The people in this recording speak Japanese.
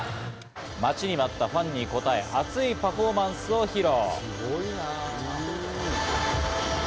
待ちに待ったファンに応え、熱いパフォーマンスを披露。